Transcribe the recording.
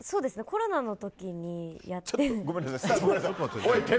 コロナの時にやって。